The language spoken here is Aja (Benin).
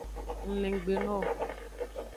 Ng le nggbe no wo.